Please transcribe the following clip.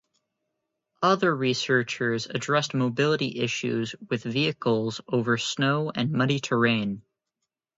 Other researchers addressed mobility issues with vehicles over snow and muddy terrain.